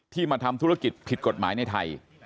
มาทำธุรกิจผิดกฎหมายในไทย